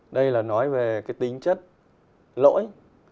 đây là nói về tính chất lỗi